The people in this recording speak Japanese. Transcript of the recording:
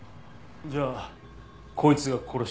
じゃあこいつが殺した犯人。